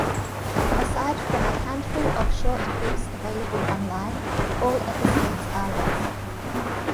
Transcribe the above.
Aside from a handful of short clips available online, all episodes are lost.